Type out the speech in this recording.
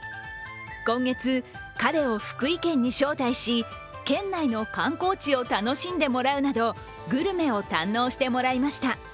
今月、彼を福井県に招待し、県内の観光地を楽しんでもらうなどグルメを堪能してもらいました。